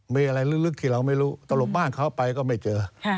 มีอะไรลึกที่เราไม่รู้ตลบบ้านเขาไปก็ไม่เจอ